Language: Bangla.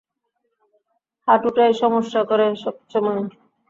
হাঁটুটাই সমস্যা করে সবসময়ে।